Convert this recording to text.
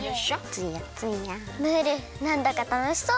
ツヤツヤムールなんだかたのしそう！